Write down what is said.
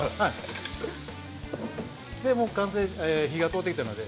もう火が通ってきたので。